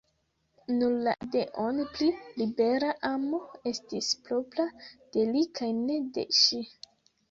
Nur la ideon pri libera amo estis propra de li kaj ne de ŝi.